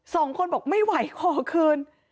สองคนบอกไม่ไหวขอคืน